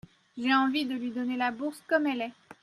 J’ai envie de lui donner la bourse comme elle est.